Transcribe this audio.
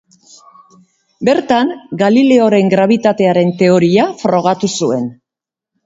Bertan, Galileoren grabitatearen teoria frogatu zuen.